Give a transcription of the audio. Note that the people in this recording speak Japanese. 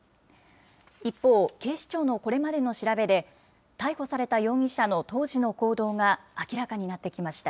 一方、警視庁のこれまでの調べで、逮捕された容疑者の当時の行動が明らかになってきました。